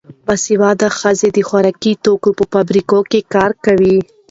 باسواده ښځې د خوراکي توکو په فابریکو کې کار کوي.